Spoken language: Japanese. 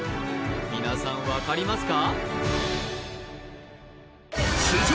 皆さん分かりますか？